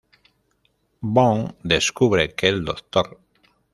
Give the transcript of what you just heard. Bond descubre que el Dr.